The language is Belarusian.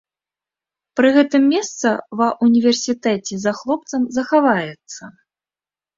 Пры гэтым месца ва ўніверсітэце за хлопцам захаваецца.